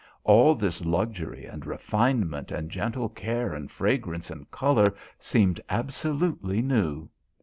All this luxury and refinement and gentle care and fragrance and colour seemed absolutely new.